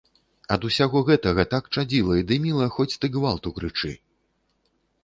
Ад усяго гэтага так чадзіла і дыміла, хоць ты гвалту крычы.